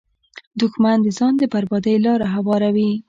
دښمن د ځان د بربادۍ لاره هواروي